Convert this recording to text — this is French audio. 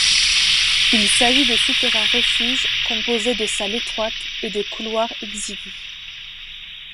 Il s'agit de souterrains refuges composé de salles étroites et de couloirs exigus.